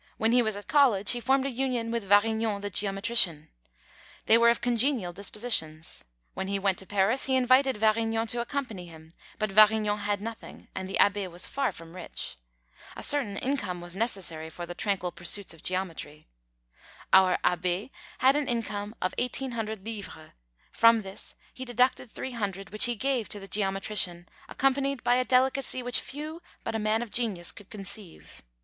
When he was at college he formed a union with Varignon, the geometrician. They were of congenial dispositions. When he went to Paris he invited Varignon to accompany him; but Varignon had nothing, and the Abbé was far from rich. A certain income was necessary for the tranquil pursuits of geometry. Our Abbé had an income of 1800 livres; from this he deducted 300, which he gave to the geometrician, accompanied by a delicacy which few but a man of genius could conceive.